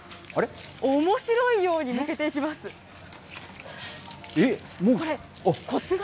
おもしろいようにむけていきえっ、もう？